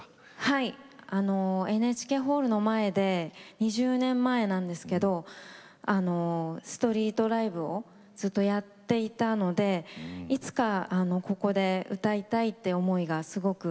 はいあのＮＨＫホールの前で２０年前なんですけどストリートライブをずっとやっていたのでいつかここで歌いたいって思いがすごくありました。